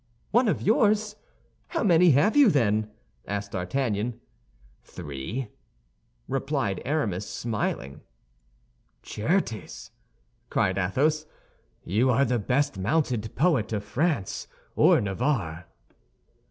"One of yours! how many have you, then?" asked D'Artagnan. "Three," replied Aramis, smiling. "Certes," cried Athos, "you are the best mounted poet of France or Navarre."